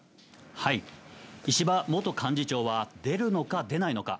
石破元幹事長は、出るのか出ないのか。